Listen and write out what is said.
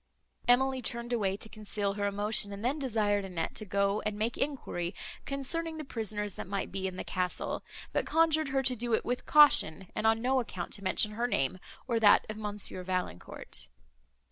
Emily turned away to conceal her emotion, and then desired Annette to go, and make enquiry, concerning the prisoners, that might be in the castle, but conjured her to do it with caution, and on no account to mention her name, or that of Monsieur Valancourt.